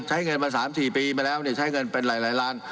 ใช้เงินมา๓๔ปีมาแล้วใช้เงินเป็นหลายล้าน